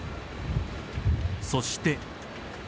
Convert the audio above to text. そして。